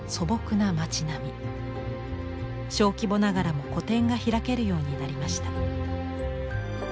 小規模ながらも個展が開けるようになりました。